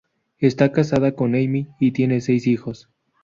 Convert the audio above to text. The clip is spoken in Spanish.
Está casado a Amy y tiene seis hijos.